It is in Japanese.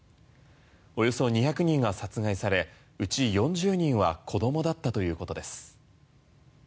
およそ２００人が殺害されうち４０人は子供だったということです。